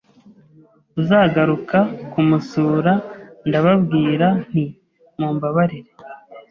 uzagaruka kumusura, ndababwira nti mumbabarire